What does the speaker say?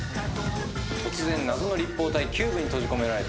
突然、謎の立方体ＣＵＢＥに閉じ込められた